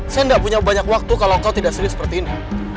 saya tidak punya banyak waktu kalau kau tidak sulit seperti ini